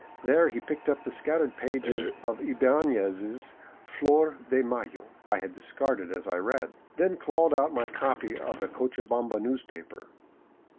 There he picked up the scattered pages of Ibanez' *' Flor de Mayo " I had discarded as I read, then clawed out my copy of a Cochabamba newspaper.